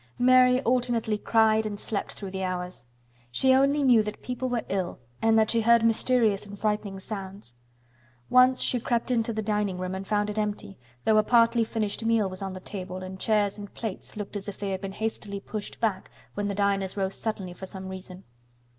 Mary alternately cried and slept through the hours. She only knew that people were ill and that she heard mysterious and frightening sounds. Once she crept into the dining room and found it empty, though a partly finished meal was on the table and chairs and plates looked as if they had been hastily pushed back when the diners rose suddenly for some reason.